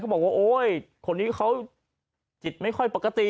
บอกว่าโอ๊ยคนนี้เขาจิตไม่ค่อยปกติ